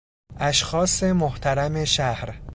اشخاص محترم شهر